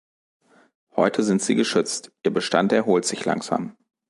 Heute sind sie geschützt, ihr Bestand erholt sich langsam.